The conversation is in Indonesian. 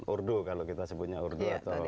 urdu kalau kita sebutnya urdu atau